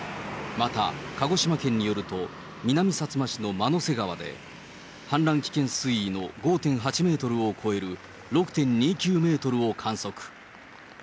また鹿児島県によると、南さつま市の万之瀬川で氾濫危険水位の５．８メートルを超える６．２９メートルを観測。